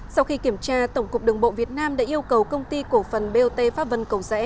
sau khi kiểm tra tổng cục đường bộ việt nam đã yêu cầu công ty cổ phần bot pháp vân cầu rẽ